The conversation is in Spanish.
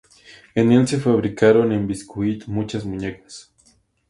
En el se fabricaron en ‘biscuit’ muchas muñecas.